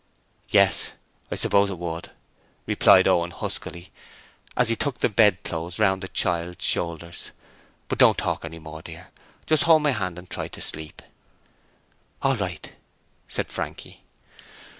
'Yes, I suppose it would,' replied Owen huskily, as he tucked the bedclothes round the child's shoulders. 'But don't talk any more, dear; just hold my hand and try to sleep.' 'All right,' said Frankie.